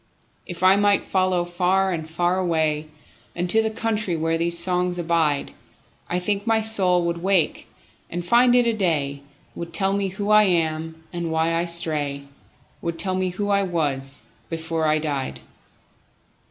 If I might follow far and far awayUnto the country where these songs abide,I think my soul would wake and find it day, Would tell me who I am, and why I stray,—Would tell me who I was before I died.